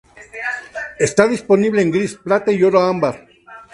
Está disponible en gris, plata y oro ámbar.